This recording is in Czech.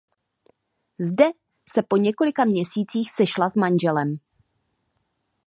Zde se po několika měsících sešla s manželem.